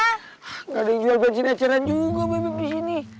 nggak ada yang jual bensin acaran juga beb beb di sini